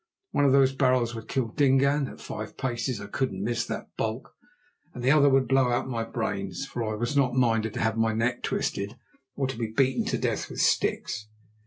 One of those barrels would kill Dingaan—at five paces I could not miss that bulk—and the other would blow out my brains, for I was not minded to have my neck twisted or to be beaten to death with sticks.